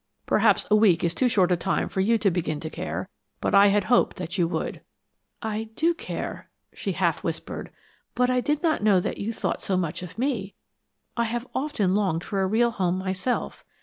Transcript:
Perhaps a week is too short a time for you to begin to care, but I had hoped that you would." "I do care," she half whispered, "but I did not know that you thought so much of me. I have often longed for a real home myself.